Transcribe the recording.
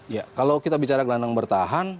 ya kalau kita bicara gelandang bertahan